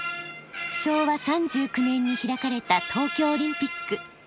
昭和３９年に開かれた東京オリンピック。